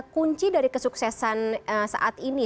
kunci dari kesuksesan saat ini